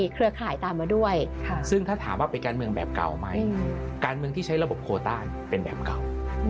การเมืองที่ใช้ระบบโคตารเป็นแบบเก่า